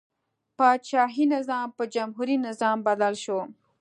پاچاهي نظام په جمهوري نظام بدل شو.